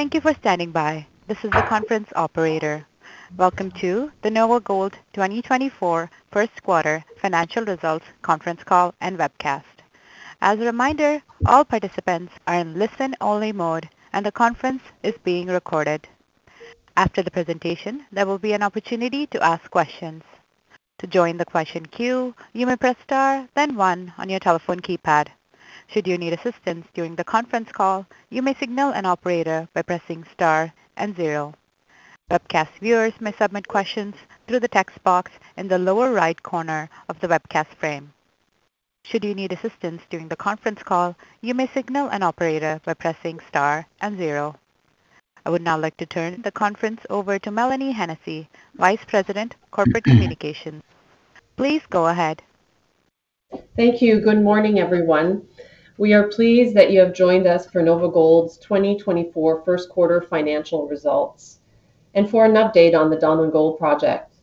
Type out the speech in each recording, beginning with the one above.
Thank you for standing by. This is the conference operator. Welcome to the NOVAGOLD 2024 First Quarter Financial Results Conference Call and Webcast. As a reminder, all participants are in listen-only mode, and the conference is being recorded. After the presentation, there will be an opportunity to ask questions. To join the question queue, you may press star, then one on your telephone keypad. Should you need assistance during the conference call, you may signal an operator by pressing star and zero. Webcast viewers may submit questions through the text box in the lower right corner of the webcast frame. Should you need assistance during the conference call, you may signal an operator by pressing star and zero. I would now like to turn the conference over to Mélanie Hennessey, Vice President, Corporate Communications. Please go ahead. Thank you. Good morning, everyone. We are pleased that you have joined us for NOVAGOLD's 2024 first quarter financial results, and for an update on the Donlin Gold project.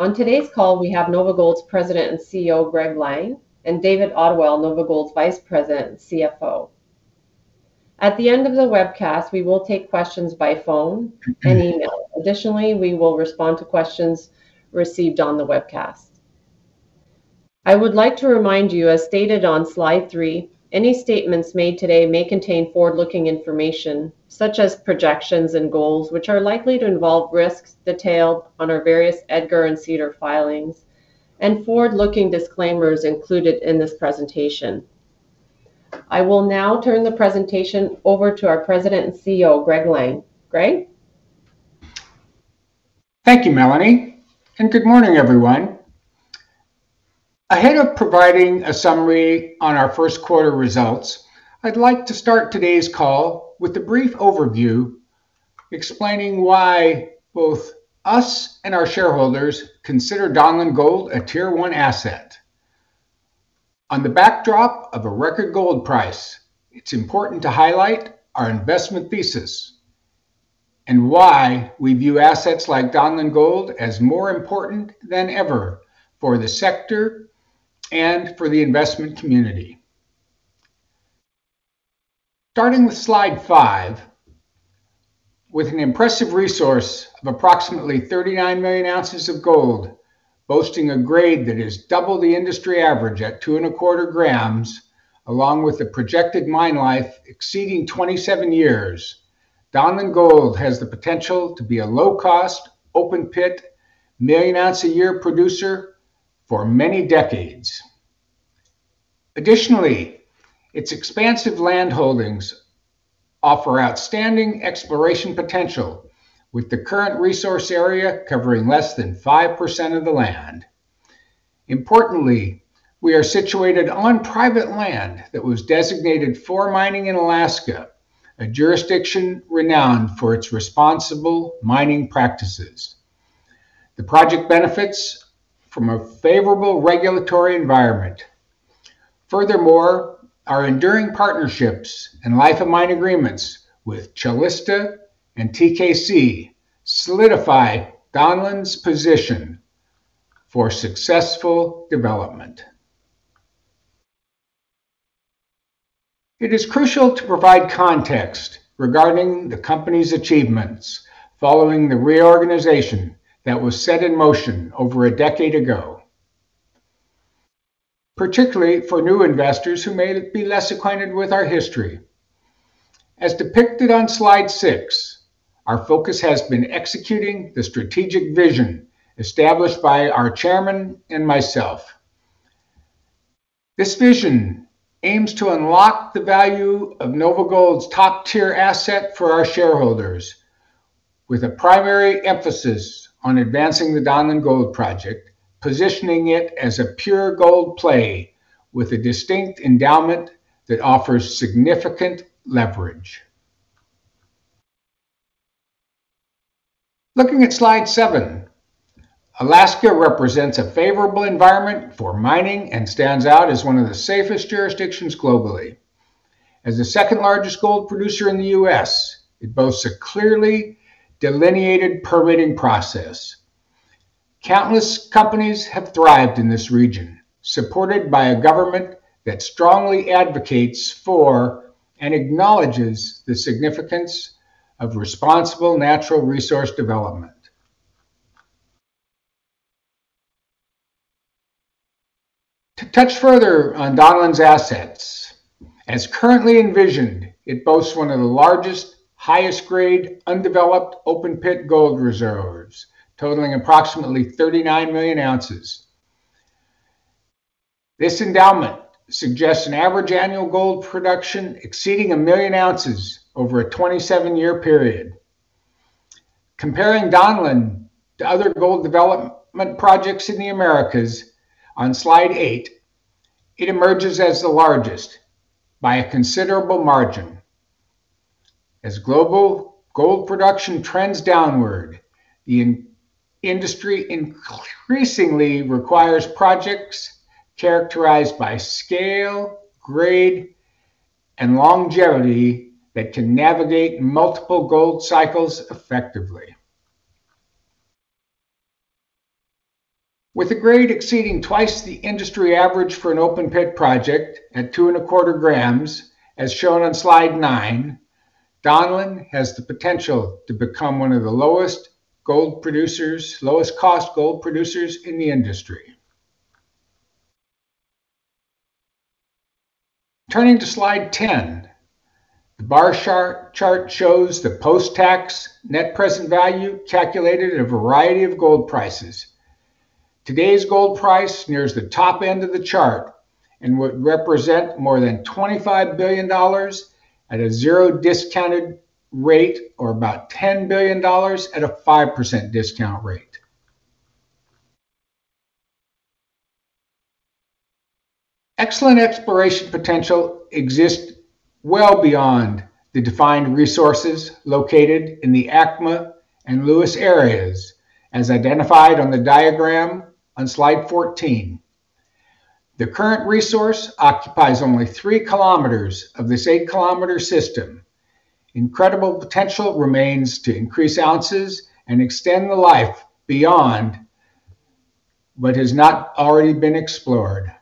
On today's call, we have NOVAGOLD's President and CEO, Greg Lang, and David Ottewell, NOVAGOLD's Vice President and CFO. At the end of the webcast, we will take questions by phone and email. Additionally, we will respond to questions received on the webcast. I would like to remind you, as stated on slide 3, any statements made today may contain forward-looking information, such as projections and goals, which are likely to involve risks detailed on our various EDGAR and SEDAR filings and forward-looking disclaimers included in this presentation. I will now turn the presentation over to our President and CEO, Greg Lang. Greg? Thank you, Mélanie, and good morning, everyone. Ahead of providing a summary on our first quarter results, I'd like to start today's call with a brief overview, explaining why both us and our shareholders consider Donlin Gold a Tier One asset. On the backdrop of a record gold price, it's important to highlight our investment thesis and why we view assets like Donlin Gold as more important than ever for the sector and for the investment community. Starting with slide 5, with an impressive resource of approximately 39 million ounces of gold, boasting a grade that is double the industry average at 2.25 grams, along with the projected mine life exceeding 27 years, Donlin Gold has the potential to be a low-cost, open-pit, million-ounce a year producer for many decades. Additionally, its expansive land holdings offer outstanding exploration potential, with the current resource area covering less than 5% of the land. Importantly, we are situated on private land that was designated for mining in Alaska, a jurisdiction renowned for its responsible mining practices. The project benefits from a favorable regulatory environment. Furthermore, our enduring partnerships and life of mine agreements with Calista and TKC solidify Donlin's position for successful development. It is crucial to provide context regarding the company's achievements following the reorganization that was set in motion over a decade ago, particularly for new investors who may be less acquainted with our history. As depicted on slide 6, our focus has been executing the strategic vision established by our chairman and myself. This vision aims to unlock the value of NOVAGOLD's top-tier asset for our shareholders, with a primary emphasis on advancing the Donlin Gold project, positioning it as a pure gold play with a distinct endowment that offers significant leverage. Looking at slide 7, Alaska represents a favorable environment for mining and stands out as one of the safest jurisdictions globally. As the second-largest gold producer in the U.S., it boasts a clearly delineated permitting process. Countless companies have thrived in this region, supported by a government that strongly advocates for and acknowledges the significance of responsible natural resource development. To touch further on Donlin's assets, as currently envisioned, it boasts one of the largest, highest-grade, undeveloped open-pit gold reserves, totaling approximately 39 million ounces. This endowment suggests an average annual gold production exceeding 1 million ounces over a 27-year period. Comparing Donlin to other gold development projects in the Americas on slide 8, it emerges as the largest by a considerable margin. As global gold production trends downward, the industry increasingly requires projects characterized by scale, grade, and longevity that can navigate multiple gold cycles effectively.... With a grade exceeding twice the industry average for an open pit project at 2.25 grams, as shown on slide 9, Donlin has the potential to become one of the lowest gold producers, lowest cost gold producers in the industry. Turning to slide 10, the bar chart shows the post-tax net present value calculated in a variety of gold prices. Today's gold price nears the top end of the chart and would represent more than $25 billion at a zero discount rate, or about $10 billion at a 5% discount rate. Excellent exploration potential exists well beyond the defined resources located in the ACMA and Lewis areas, as identified on the diagram on slide 14. The current resource occupies only 3 kilometers of this 8-kilometer system. Incredible potential remains to increase ounces and extend the life beyond, but has not already been explored.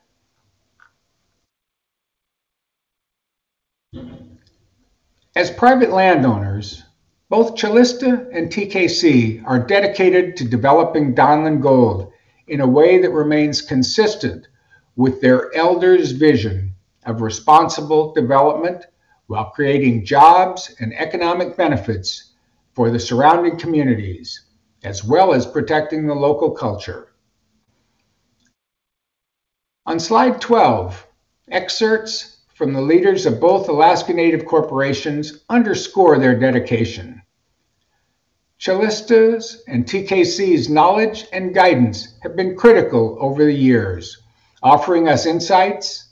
As private landowners, both Calista and TKC are dedicated to developing Donlin Gold in a way that remains consistent with their elders' vision of responsible development, while creating jobs and economic benefits for the surrounding communities, as well as protecting the local culture. On slide 12, excerpts from the leaders of both Alaska Native Corporations underscore their dedication. Calista's and TKC's knowledge and guidance have been critical over the years, offering us insights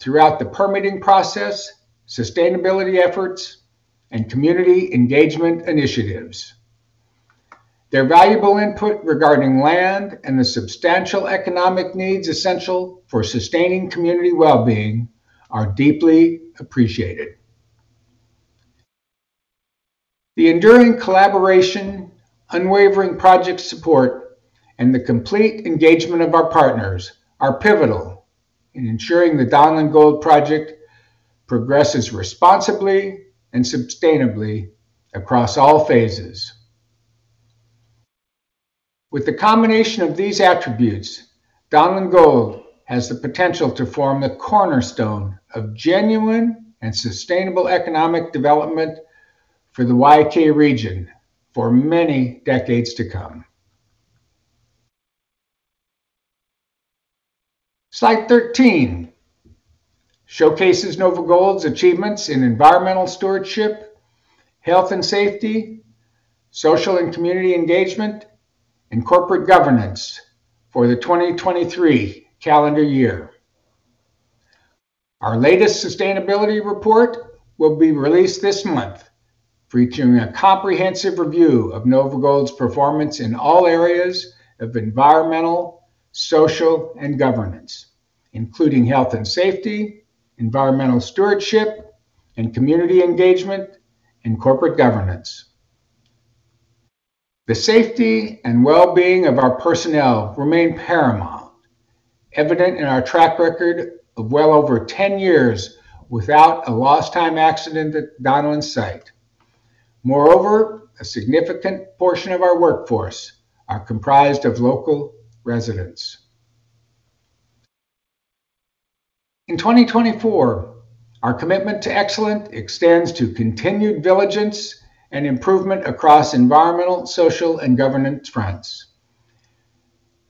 throughout the permitting process, sustainability efforts, and community engagement initiatives. Their valuable input regarding land and the substantial economic needs essential for sustaining community well-being are deeply appreciated. The enduring collaboration, unwavering project support, and the complete engagement of our partners are pivotal in ensuring the Donlin Gold project progresses responsibly and sustainably across all phases. With the combination of these attributes, Donlin Gold has the potential to form the cornerstone of genuine and sustainable economic development for the Y-K region for many decades to come. Slide 13 showcases NOVAGOLD's achievements in environmental stewardship, health and safety, social and community engagement, and corporate governance for the 2023 calendar year. Our latest sustainability report will be released this month, featuring a comprehensive review of NOVAGOLD's performance in all areas of environmental, social, and governance, including health and safety, environmental stewardship, and community engagement, and corporate governance. The safety and well-being of our personnel remain paramount, evident in our track record of well over 10 years without a lost time accident at Donlin's site. Moreover, a significant portion of our workforce are comprised of local residents. In 2024, our commitment to excellence extends to continued diligence and improvement across environmental, social, and governance fronts.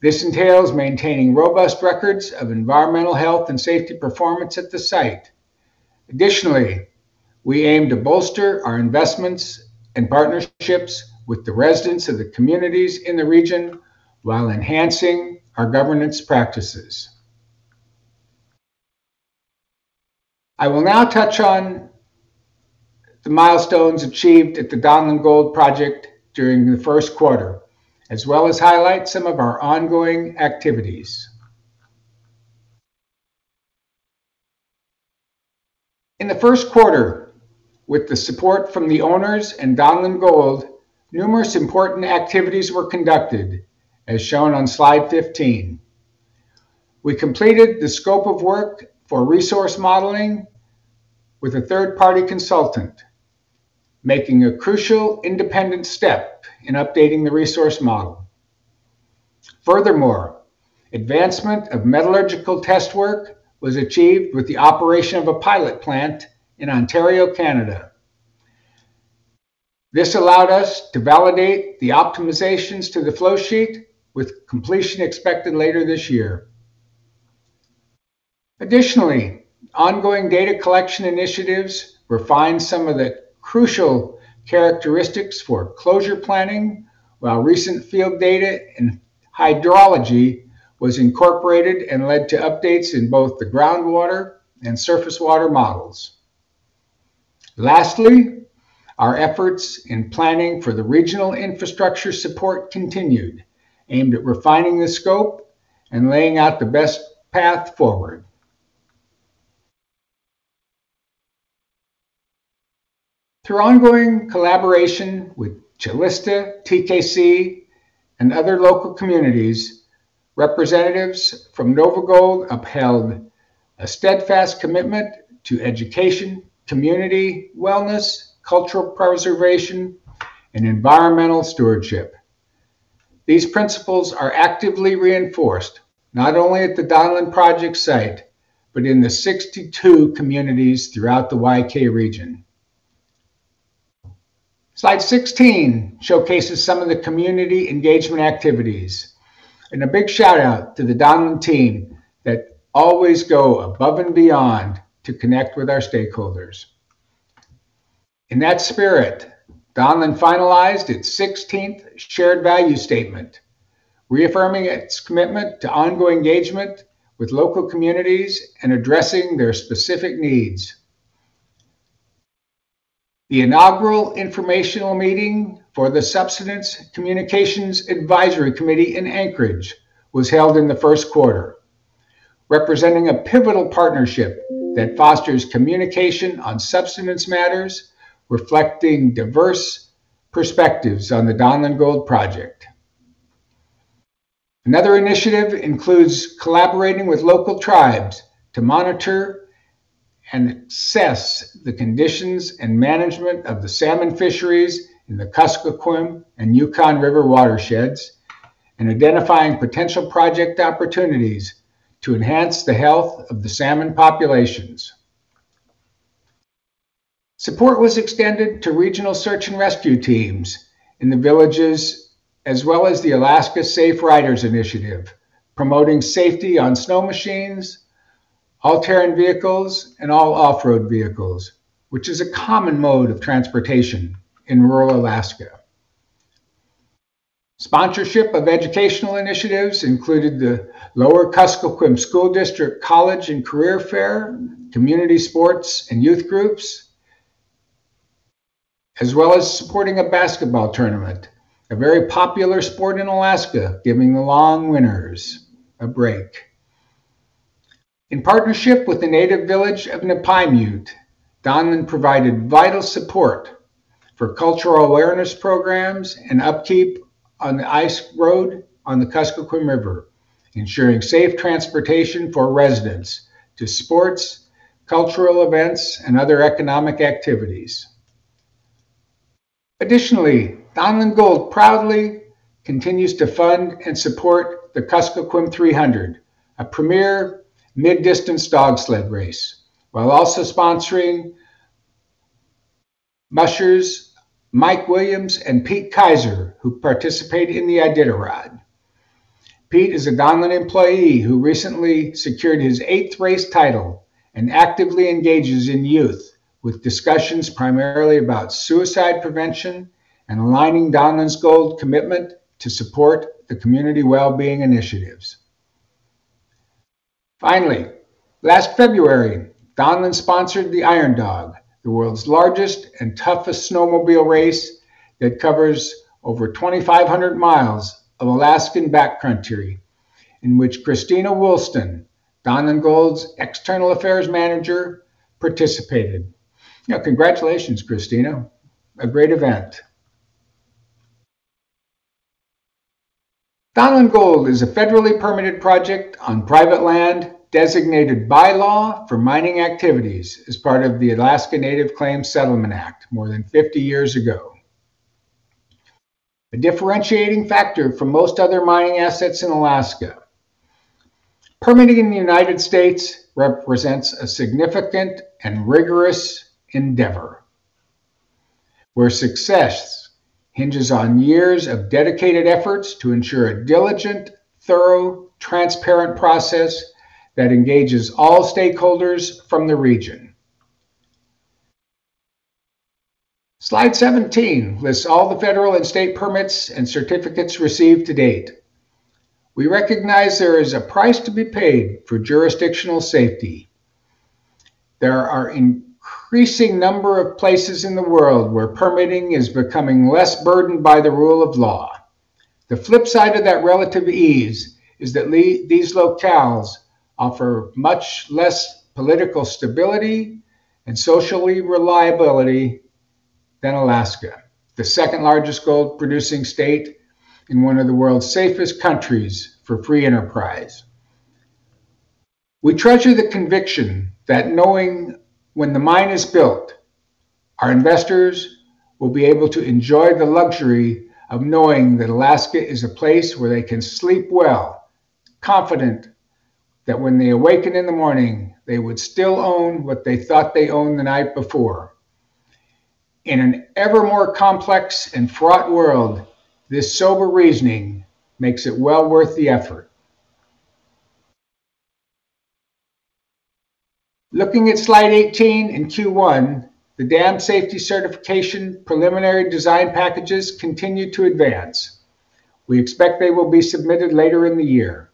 This entails maintaining robust records of environmental, health, and safety performance at the site. Additionally, we aim to bolster our investments and partnerships with the residents of the communities in the region while enhancing our governance practices. I will now touch on the milestones achieved at the Donlin Gold Project during the first quarter, as well as highlight some of our ongoing activities. In the first quarter, with the support from the owners and Donlin Gold, numerous important activities were conducted, as shown on slide 15. We completed the scope of work for resource modeling with a third-party consultant, making a crucial independent step in updating the resource model. Furthermore, advancement of metallurgical test work was achieved with the operation of a pilot plant in Ontario, Canada. This allowed us to validate the optimizations to the flowsheet, with completion expected later this year. Additionally, ongoing data collection initiatives refined some of the crucial characteristics for closure planning, while recent field data and hydrology was incorporated and led to updates in both the groundwater and surface water models. Lastly, our efforts in planning for the regional infrastructure support continued, aimed at refining the scope and laying out the best path forward. Through ongoing collaboration with Calista, TKC, and other local communities, representatives from NOVAGOLD upheld a steadfast commitment to education, community wellness, cultural preservation, and environmental stewardship. These principles are actively reinforced, not only at the Donlin project site, but in the 62 communities throughout the YK region. Slide 16 showcases some of the community engagement activities. A big shout-out to the Donlin team that always go above and beyond to connect with our stakeholders. In that spirit, Donlin finalized its 16th shared value statement, reaffirming its commitment to ongoing engagement with local communities and addressing their specific needs. The inaugural informational meeting for the Subsistence Communications Advisory Committee in Anchorage was held in the first quarter, representing a pivotal partnership that fosters communication on subsistence matters, reflecting diverse perspectives on the Donlin Gold project. Another initiative includes collaborating with local tribes to monitor and assess the conditions and management of the salmon fisheries in the Kuskokwim and Yukon River watersheds, and identifying potential project opportunities to enhance the health of the salmon populations. Support was extended to regional search and rescue teams in the villages, as well as the Alaska Safe Riders Initiative, promoting safety on snow machines, all-terrain vehicles, and all off-road vehicles, which is a common mode of transportation in rural Alaska. Sponsorship of educational initiatives included the Lower Kuskokwim School District College and Career Fair, community sports and youth groups, as well as supporting a basketball tournament, a very popular sport in Alaska, giving the long winters a break. In partnership with the Native Village of Napaimute, Donlin provided vital support for cultural awareness programs and upkeep on the ice road on the Kuskokwim River, ensuring safe transportation for residents to sports, cultural events, and other economic activities. Additionally, Donlin Gold proudly continues to fund and support the Kuskokwim 300, a premier mid-distance dog sled race, while also sponsoring mushers Mike Williams and Pete Kaiser, who participate in the Iditarod. Pete is a Donlin employee who recently secured his eighth race title and actively engages in youth with discussions primarily about suicide prevention and aligning Donlin Gold's commitment to support the community well-being initiatives. Finally, last February, Donlin sponsored the Iron Dog, the world's largest and toughest snowmobile race that covers over 2,500 miles of Alaskan backcountry, in which Christina Woolston, Donlin Gold's External Affairs Manager, participated. Now, congratulations, Christina. A great event! Donlin Gold is a federally permitted project on private land, designated by law for mining activities as part of the Alaska Native Claims Settlement Act more than 50 years ago. A differentiating factor from most other mining assets in Alaska, permitting in the United States represents a significant and rigorous endeavor, where success hinges on years of dedicated efforts to ensure a diligent, thorough, transparent process that engages all stakeholders from the region. Slide 17 lists all the federal and state permits and certificates received to date. We recognize there is a price to be paid for jurisdictional safety. There are increasing number of places in the world where permitting is becoming less burdened by the rule of law. The flip side of that relative ease is that these locales offer much less political stability and social reliability than Alaska, the second largest gold-producing state and one of the world's safest countries for free enterprise. We treasure the conviction that knowing when the mine is built, our investors will be able to enjoy the luxury of knowing that Alaska is a place where they can sleep well, confident that when they awaken in the morning, they would still own what they thought they owned the night before. In an ever more complex and fraught world, this sober reasoning makes it well worth the effort. Looking at slide 18 in Q1, the dam safety certification preliminary design packages continued to advance. We expect they will be submitted later in the year.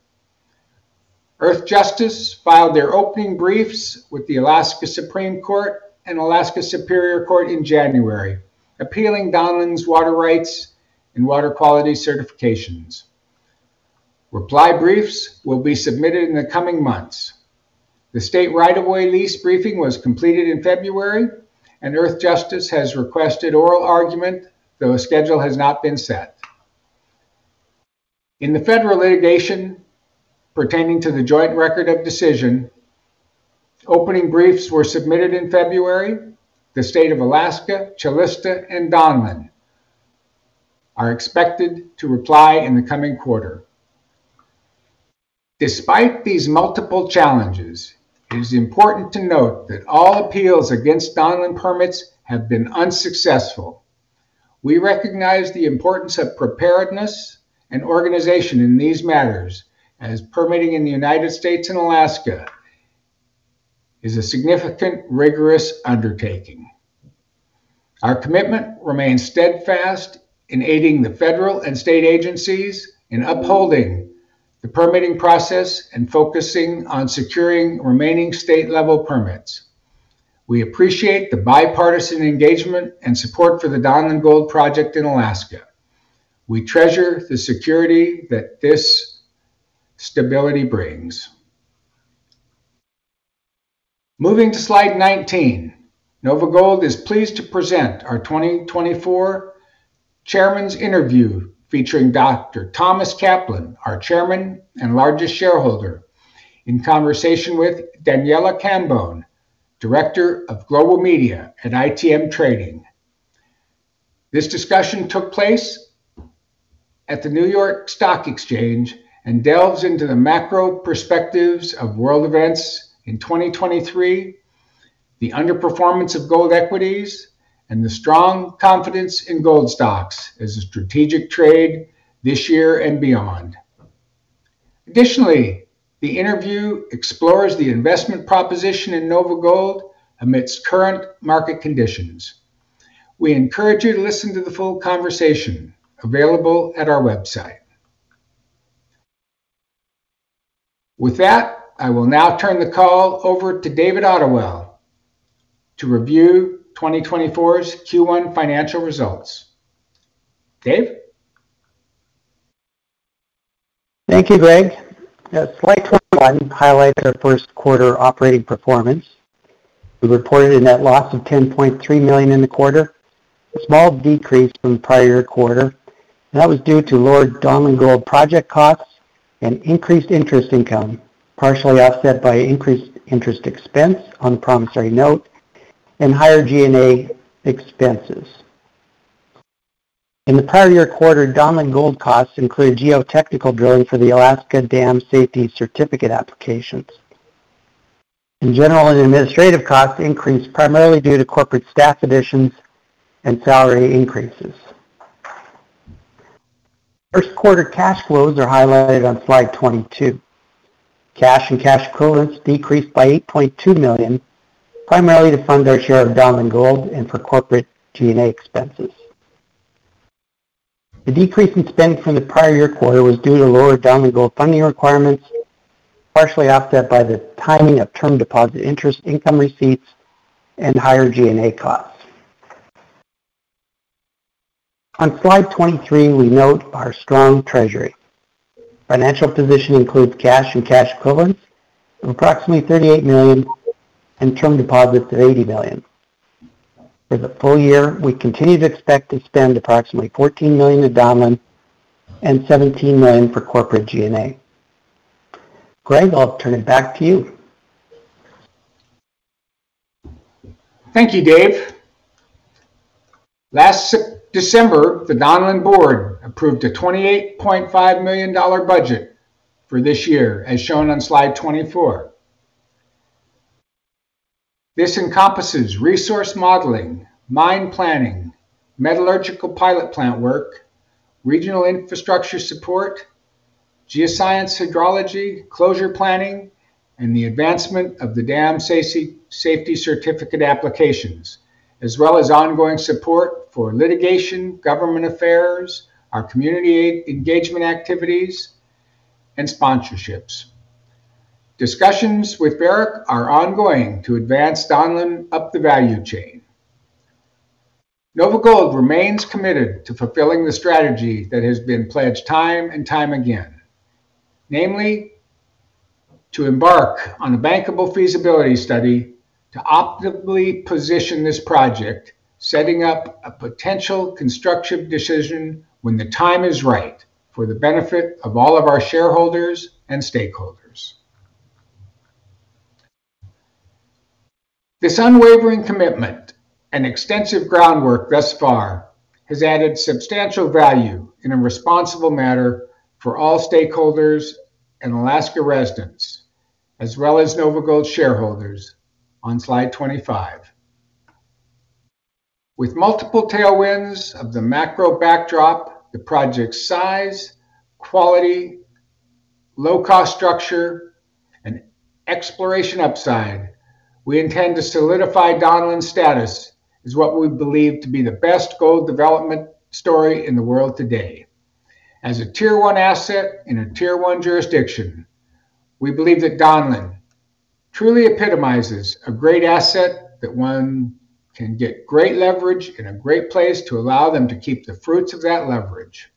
Earthjustice filed their opening briefs with the Alaska Supreme Court and Alaska Superior Court in January, appealing Donlin's water rights and water quality certifications. Reply briefs will be submitted in the coming months. The state right-of-way lease briefing was completed in February, and Earthjustice has requested oral argument, though a schedule has not been set. In the federal litigation pertaining to the Joint Record of Decision, opening briefs were submitted in February. The state of Alaska, Calista, and Donlin are expected to reply in the coming quarter. Despite these multiple challenges, it is important to note that all appeals against Donlin permits have been unsuccessful. We recognize the importance of preparedness and organization in these matters, as permitting in the United States and Alaska is a significant, rigorous undertaking. Our commitment remains steadfast in aiding the federal and state agencies in upholding the permitting process and focusing on securing remaining state-level permits. We appreciate the bipartisan engagement and support for the Donlin Gold project in Alaska. We treasure the security that this stability brings. Moving to slide 19, NOVAGOLD is pleased to present our 2024 chairman's interview, featuring Dr. Thomas Kaplan, our Chairman and largest shareholder, in conversation with Daniela Cambone, Director of Global Media at ITM Trading. This discussion took place at the New York Stock Exchange and delves into the macro perspectives of world events in 2023, the underperformance of gold equities, and the strong confidence in gold stocks as a strategic trade this year and beyond. Additionally, the interview explores the investment proposition in NOVAGOLD amidst current market conditions. We encourage you to listen to the full conversation available at our website. With that, I will now turn the call over to David Ottewell to review 2024's Q1 financial results. Dave? Thank you, Greg. Slide 21 highlights our first quarter operating performance. We reported a net loss of $10.3 million in the quarter, a small decrease from the prior quarter, and that was due to lower Donlin Gold project costs and increased interest income, partially offset by increased interest expense on the promissory note and higher G&A expenses. In the prior year quarter, Donlin Gold costs included geotechnical drilling for the Alaska Dam Safety Certificate applications. General and administrative costs increased primarily due to corporate staff additions and salary increases. First quarter cash flows are highlighted on Slide 22. Cash and cash equivalents decreased by $8.2 million, primarily to fund our share of Donlin Gold and for corporate G&A expenses. The decrease in spend from the prior year quarter was due to lower Donlin Gold funding requirements, partially offset by the timing of term deposit interest, income receipts, and higher G&A costs. On slide 23, we note our strong treasury financial position includes cash and cash equivalents of approximately $38 million and term deposits of $80 million. For the full year, we continue to expect to spend approximately $14 million at Donlin and $17 million for corporate G&A. Greg, I'll turn it back to you. Thank you, Dave. Last December, the Donlin board approved a $28.5 million budget for this year, as shown on slide 24. This encompasses resource modeling, mine planning, metallurgical pilot plant work, regional infrastructure support, geoscience, hydrology, closure planning, and the advancement of the Dam Safety Certificate applications, as well as ongoing support for litigation, government affairs, our community engagement activities, and sponsorships. Discussions with Barrick are ongoing to advance Donlin up the value chain. NOVAGOLD remains committed to fulfilling the strategy that has been pledged time and time again, namely, to embark on a bankable feasibility study to optimally position this project, setting up a potential constructive decision when the time is right for the benefit of all of our shareholders and stakeholders. This unwavering commitment and extensive groundwork thus far has added substantial value in a responsible manner for all stakeholders and Alaska residents, as well as NOVAGOLD shareholders on slide 25. With multiple tailwinds of the macro backdrop, the project's size, quality, low cost structure, and exploration upside, we intend to solidify Donlin's status as what we believe to be the best gold development story in the world today. As a Tier One asset in a Tier One jurisdiction, we believe that Donlin truly epitomizes a great asset that one can get great leverage and a great place to allow them to keep the fruits of that leverage.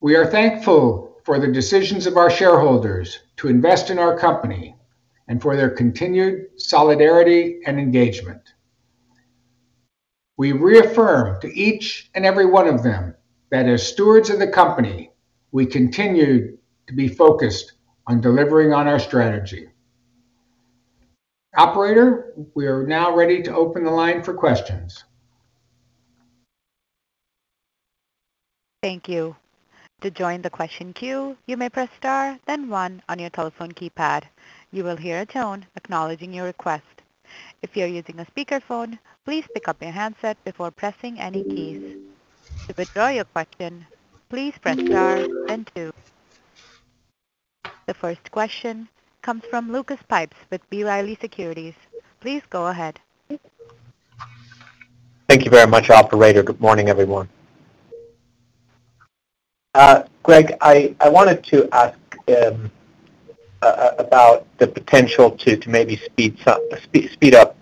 We are thankful for the decisions of our shareholders to invest in our company, and for their continued solidarity and engagement. We reaffirm to each and every one of them that as stewards of the company, we continue to be focused on delivering on our strategy. Operator, we are now ready to open the line for questions. Thank you. To join the question queue, you may press star then one on your telephone keypad. You will hear a tone acknowledging your request. If you're using a speakerphone, please pick up your handset before pressing any keys. To withdraw your question, please press star then two. The first question comes from Lucas Pipes with B. Riley Securities. Please go ahead. Thank you very much, operator. Good morning, everyone. Greg, I wanted to ask about the potential to maybe speed up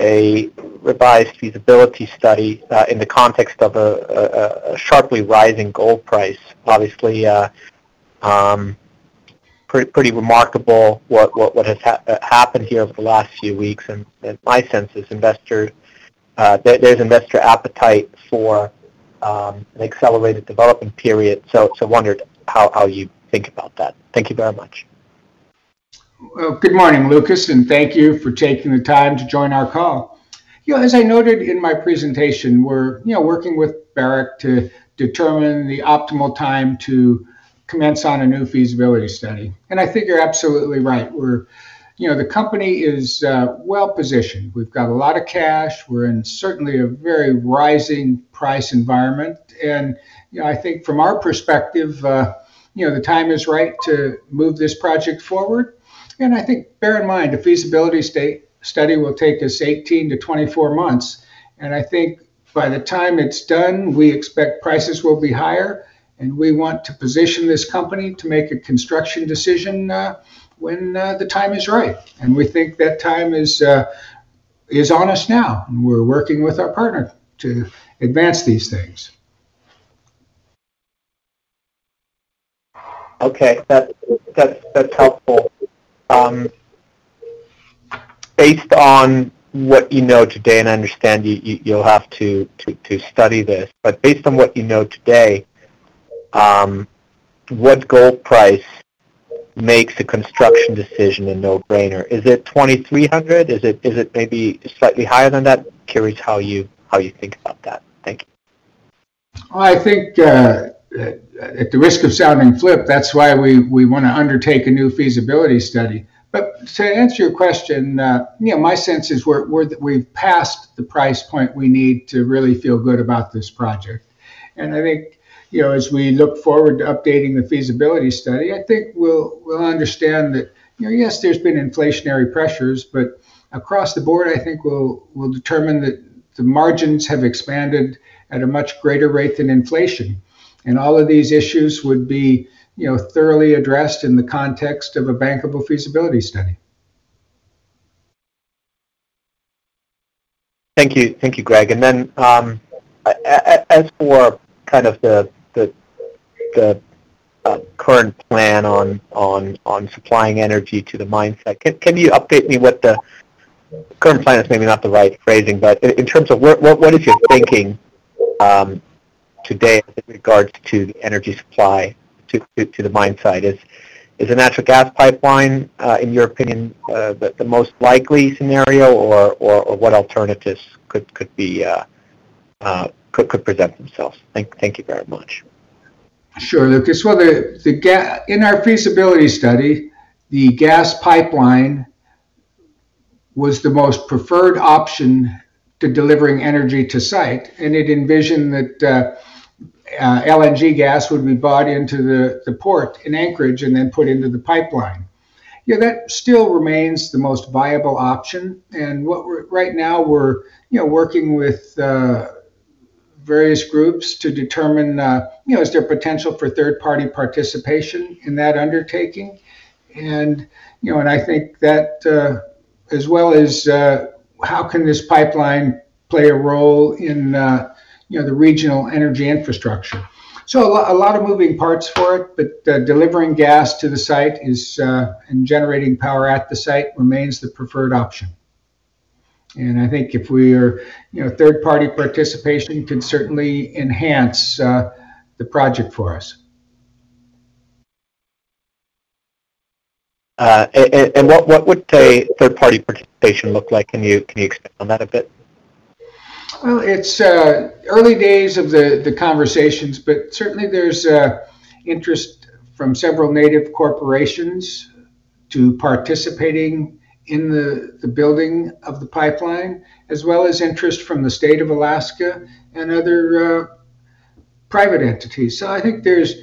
a revised feasibility study in the context of a sharply rising gold price. Obviously, pretty remarkable what has happened here over the last few weeks. And my sense is investors there's investor appetite for an accelerated development period. So wondered how you think about that. Thank you very much. Well, good morning, Lucas, and thank you for taking the time to join our call. You know, as I noted in my presentation, we're, you know, working with Barrick to determine the optimal time to commence on a new feasibility study. And I think you're absolutely right. You know, the company is well-positioned. We've got a lot of cash. We're in certainly a very rising price environment, and, you know, I think from our perspective, you know, the time is right to move this project forward. And I think bear in mind, the feasibility study will take us 18-24 months, and I think by the time it's done, we expect prices will be higher, and we want to position this company to make a construction decision, when the time is right. We think that time is on us now, and we're working with our partner to advance these things. Okay. That's helpful. Based on what you know today, and I understand you'll have to study this, but based on what you know today, what gold price makes the construction decision a no-brainer? Is it $2,300? Is it maybe slightly higher than that? Curious how you think about that. Thank you. I think, at the risk of sounding flip, that's why we wanna undertake a new feasibility study. But to answer your question, you know, my sense is we've passed the price point we need to really feel good about this project. And I think, you know, as we look forward to updating the feasibility study, I think we'll understand that, you know, yes, there's been inflationary pressures, but across the board, I think we'll determine that the margins have expanded at a much greater rate than inflation. And all of these issues would be, you know, thoroughly addressed in the context of a Bankable Feasibility Study. Thank you. Thank you, Greg. And then, as for kind of the current plan on supplying energy to the mine site, can you update me what the current plan is? Maybe not the right phrasing, but in terms of what is your thinking today with regards to the energy supply to the mine site? Is a natural gas pipeline in your opinion the most likely scenario, or what alternatives could present themselves? Thank you very much. Sure, Lucas. Well, in our feasibility study, the gas pipeline was the most preferred option to delivering energy to site, and it envisioned that, LNG gas would be brought into the port in Anchorage and then put into the pipeline. You know, that still remains the most viable option, and what we're, right now we're, you know, working with various groups to determine, you know, is there potential for third-party participation in that undertaking. And, you know, and I think that, as well as, how can this pipeline play a role in, you know, the regional energy infrastructure? So a lot of moving parts for it, but, delivering gas to the site is, and generating power at the site remains the preferred option. I think if we are, you know, third-party participation can certainly enhance the project for us. And what would a third-party participation look like? Can you expand on that a bit? Well, it's early days of the conversations, but certainly there's interest from several native corporations to participating in the building of the pipeline, as well as interest from the state of Alaska and other private entities. I think there's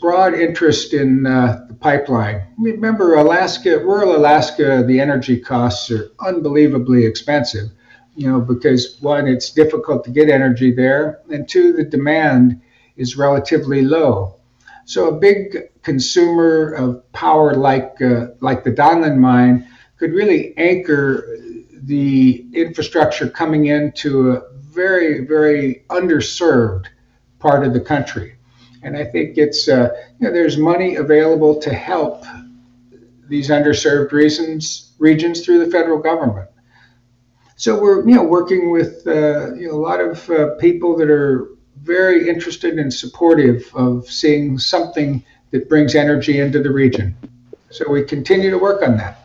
broad interest in the pipeline. Remember, Alaska, rural Alaska, the energy costs are unbelievably expensive, you know, because, one, it's difficult to get energy there, and two, the demand is relatively low.... A big consumer of power, like, like the Donlin Mine, could really anchor the infrastructure coming into a very, very underserved part of the country. I think it's, you know, there's money available to help these underserved regions through the federal government. So we're, you know, working with, you know, a lot of people that are very interested and supportive of seeing something that brings energy into the region. So we continue to work on that.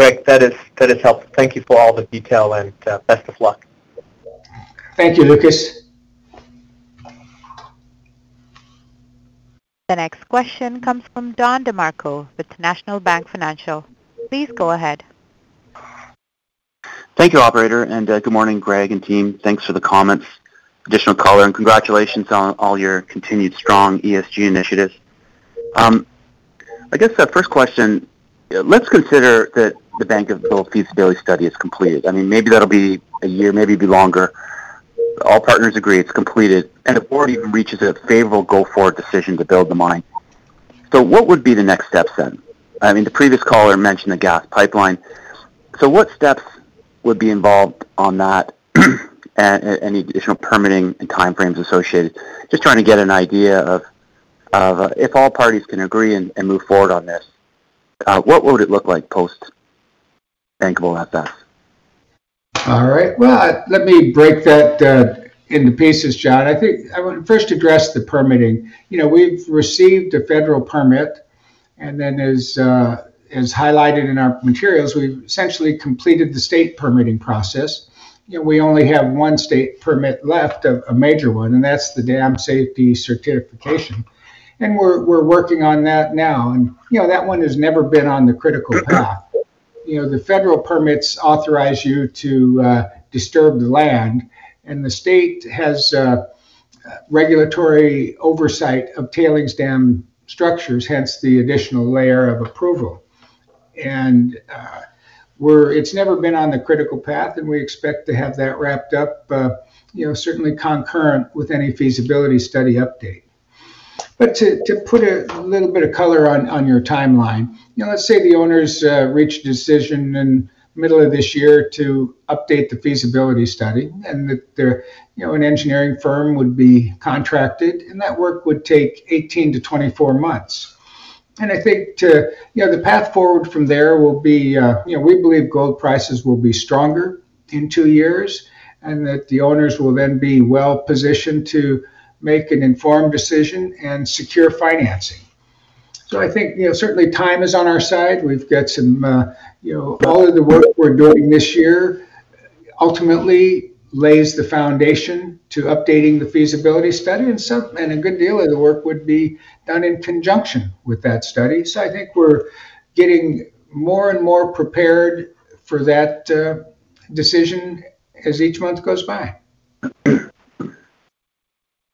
Great. That is, that is helpful. Thank you for all the detail, and best of luck. Thank you, Lucas. The next question comes from Don DeMarco with National Bank Financial. Please go ahead. Thank you, operator, and good morning, Greg and team. Thanks for the comments, additional color, and congratulations on all your continued strong ESG initiatives. I guess the first question, let's consider that the Bankable Feasibility Study is completed. I mean, maybe that'll be a year, maybe be longer. All partners agree it's completed, and the board even reaches a favorable go-forward decision to build the mine. So what would be the next steps then? I mean, the previous caller mentioned the gas pipeline. So what steps would be involved on that, and any additional permitting and timeframes associated? Just trying to get an idea of if all parties can agree and move forward on this, what would it look like post Bankable FS? All right. Well, let me break that into pieces, Don. I think I want to first address the permitting. You know, we've received a federal permit, and then as highlighted in our materials, we've essentially completed the state permitting process. You know, we only have one state permit left, a major one, and that's the dam safety certification. And we're working on that now. And, you know, that one has never been on the critical path. You know, the federal permits authorize you to disturb the land, and the state has regulatory oversight of tailings dam structures, hence the additional layer of approval. And we're... It's never been on the critical path, and we expect to have that wrapped up, you know, certainly concurrent with any feasibility study update. But to put a little bit of color on your timeline, you know, let's say the owners reach a decision in middle of this year to update the feasibility study, and that there, you know, an engineering firm would be contracted, and that work would take 18-24 months. And I think to, you know, the path forward from there will be, you know, we believe gold prices will be stronger in two years, and that the owners will then be well-positioned to make an informed decision and secure financing. So I think, you know, certainly time is on our side. We've got some, you know, all of the work we're doing this year ultimately lays the foundation to updating the feasibility study, and some... And a good deal of the work would be done in conjunction with that study. I think we're getting more and more prepared for that decision as each month goes by.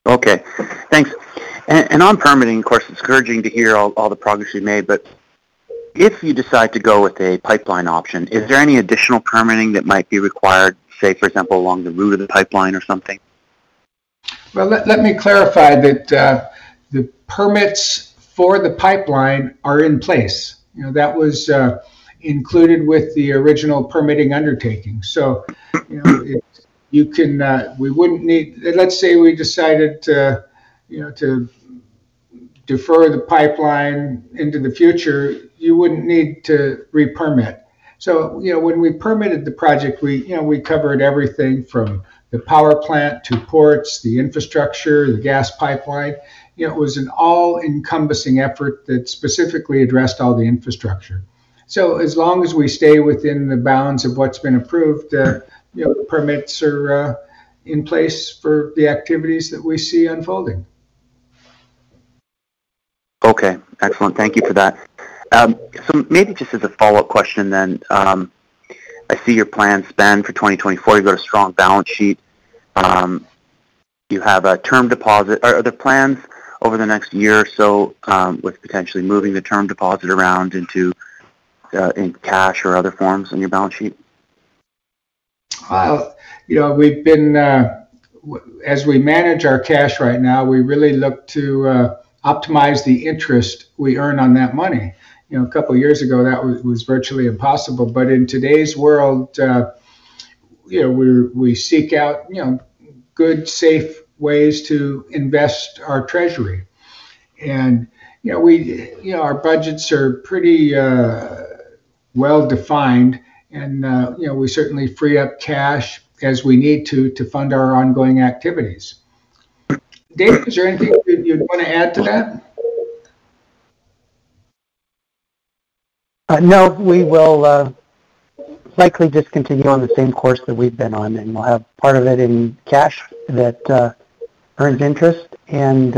Okay, thanks. On permitting, of course, it's encouraging to hear all the progress you've made, but if you decide to go with a pipeline option, is there any additional permitting that might be required, say, for example, along the route of the pipeline or something? Well, let me clarify that, the permits for the pipeline are in place. You know, that was included with the original permitting undertaking. So, you know, you can, we wouldn't need. Let's say we decided to, you know, to defer the pipeline into the future, you wouldn't need to re-permit. So, you know, when we permitted the project, we, you know, we covered everything from the power plant to ports, the infrastructure, the gas pipeline. You know, it was an all-encompassing effort that specifically addressed all the infrastructure. So as long as we stay within the bounds of what's been approved, you know, the permits are in place for the activities that we see unfolding. Okay, excellent. Thank you for that. So maybe just as a follow-up question then, I see your plans span for 2024. You've got a strong balance sheet. You have a term deposit. Are there plans over the next year or so, with potentially moving the term deposit around into cash or other forms on your balance sheet? Well, you know, we've been as we manage our cash right now, we really look to optimize the interest we earn on that money. You know, a couple of years ago, that was virtually impossible, but in today's world, you know, we're we seek out, you know, good, safe ways to invest our treasury. And, you know, we, you know, our budgets are pretty well-defined, and, you know, we certainly free up cash as we need to, to fund our ongoing activities. Dave, is there anything you'd want to add to that? No. We will likely just continue on the same course that we've been on, and we'll have part of it in cash that earns interest and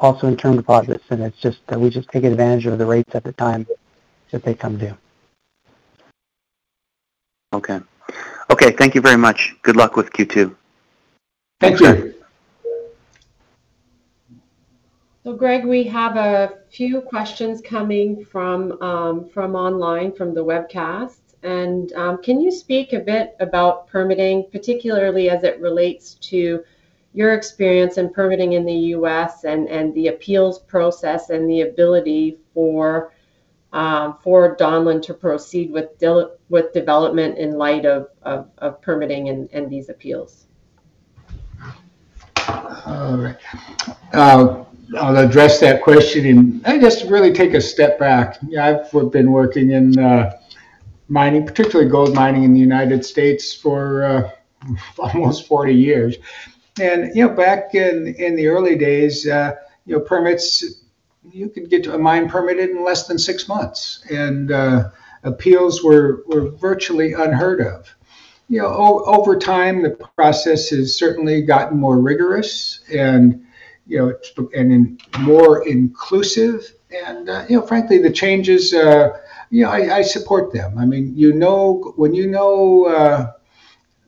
also in term deposits, and it's just that we just take advantage of the rates at the time that they come due. Okay. Okay, thank you very much. Good luck with Q2. Thank you.... So Greg, we have a few questions coming from online, from the webcast. Can you speak a bit about permitting, particularly as it relates to your experience in permitting in the U.S., and the appeals process, and the ability for Donlin to proceed with development in light of permitting and these appeals? All right. I'll address that question, and just really take a step back. I've been working in mining, particularly gold mining, in the United States for almost 40 years. And, you know, back in the early days, you know, permits, you could get a mine permitted in less than 6 months, and appeals were virtually unheard of. You know, over time, the process has certainly gotten more rigorous and, you know, and more inclusive. And, you know, frankly, the changes are... You know, I support them. I mean, you know... When you know,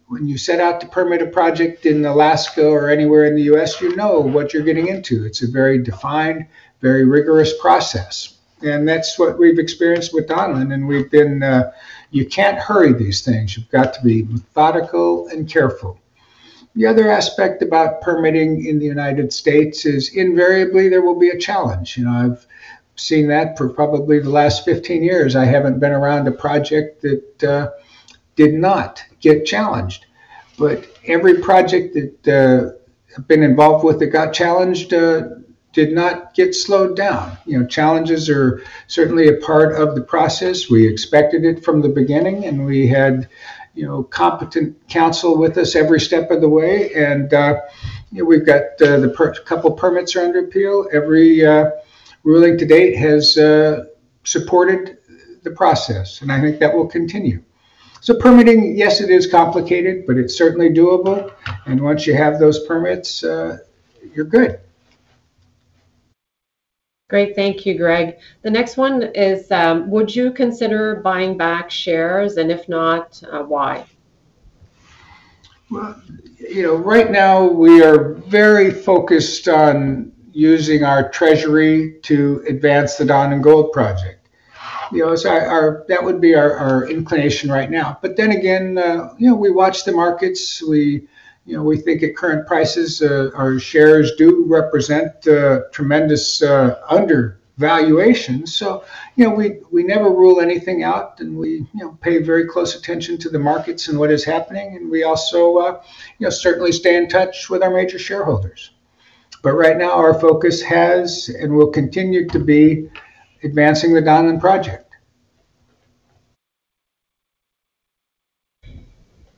when you set out to permit a project in Alaska or anywhere in the U.S., you know what you're getting into. It's a very defined, very rigorous process, and that's what we've experienced with Donlin, and we've been... You can't hurry these things. You've got to be methodical and careful. The other aspect about permitting in the United States is invariably there will be a challenge. You know, I've seen that for probably the last 15 years. I haven't been around a project that did not get challenged. But every project that I've been involved with that got challenged did not get slowed down. You know, challenges are certainly a part of the process. We expected it from the beginning, and we had, you know, competent counsel with us every step of the way. And you know, we've got a couple permits are under appeal. Every ruling to date has supported the process, and I think that will continue. So permitting, yes, it is complicated, but it's certainly doable, and once you have those permits, you're good. Great. Thank you, Greg. The next one is, would you consider buying back shares, and if not, why? Well, you know, right now we are very focused on using our treasury to advance the Donlin Gold project. You know, so that would be our inclination right now. But then again, you know, we watch the markets. We, you know, we think at current prices our shares do represent tremendous undervaluation. So, you know, we never rule anything out, and we, you know, pay very close attention to the markets and what is happening, and we also, you know, certainly stay in touch with our major shareholders. But right now, our focus has and will continue to be advancing the Donlin project.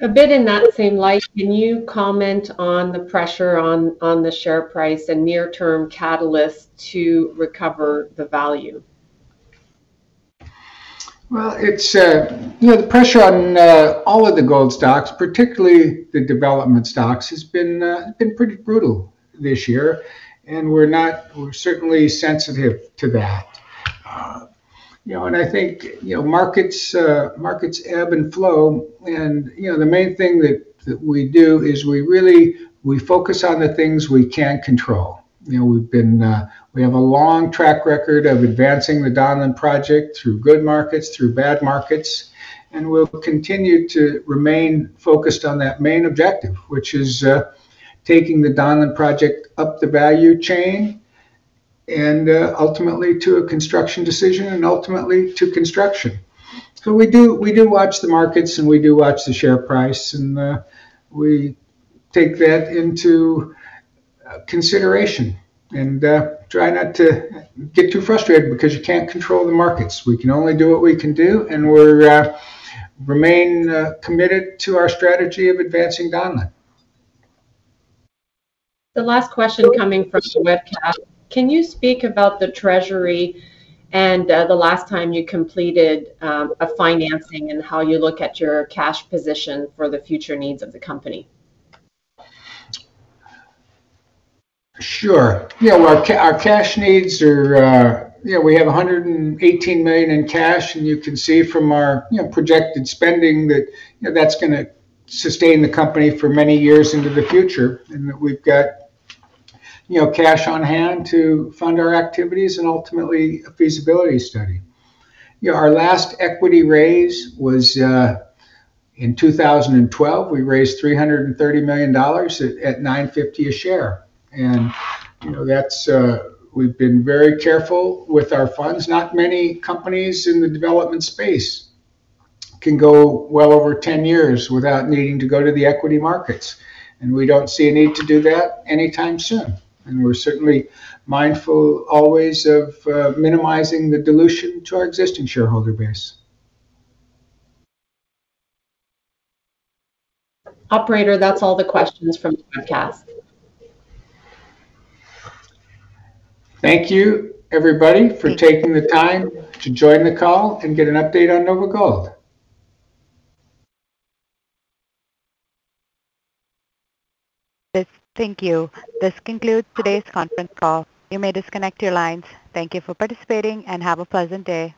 A bit in that same light, can you comment on the pressure on the share price and near-term catalyst to recover the value? Well, it's... You know, the pressure on all of the gold stocks, particularly the development stocks, has been pretty brutal this year, and we're not... We're certainly sensitive to that. You know, and I think, you know, markets ebb and flow, and, you know, the main thing that we do is we really, we focus on the things we can control. You know, we've been... We have a long track record of advancing the Donlin project through good markets, through bad markets, and we'll continue to remain focused on that main objective, which is taking the Donlin project up the value chain, and ultimately to a construction decision, and ultimately to construction. We do, we do watch the markets, and we do watch the share price, and we take that into consideration and try not to get too frustrated because you can't control the markets. We can only do what we can do, and we remain committed to our strategy of advancing Donlin. The last question coming from the webcast: Can you speak about the treasury and the last time you completed a financing, and how you look at your cash position for the future needs of the company? Sure. Yeah, well, our cash needs are... You know, we have $118 million in cash, and you can see from our, you know, projected spending that, you know, that's gonna sustain the company for many years into the future. And we've got, you know, cash on-hand to fund our activities and ultimately a feasibility study. You know, our last equity raise was in 2012. We raised $330 million at $9.50 a share. And, you know, that's... We've been very careful with our funds. Not many companies in the development space can go well over 10 years without needing to go to the equity markets, and we don't see a need to do that anytime soon. And we're certainly mindful always of minimizing the dilution to our existing shareholder base. Operator, that's all the questions from the webcast. Thank you, everybody, for taking the time to join the call and get an update on NOVAGOLD. Yes, thank you. This concludes today's conference call. You may disconnect your lines. Thank you for participating, and have a pleasant day.